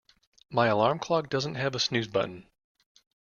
My alarm clock doesn't have a snooze button.